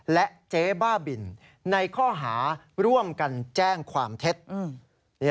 และเจ๊บ้าบินในข้อหาร่วมกันแจ้งความเท็จ